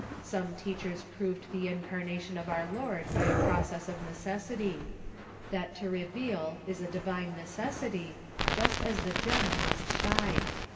Some teachers proved the in carnation of our Lord by a process of necessity ; that to reveal is a divine necessity, just as the gem must shine.